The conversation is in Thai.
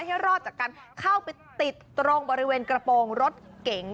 ให้รอดไปติดลงบริเวณกระพรงรถเก๋ง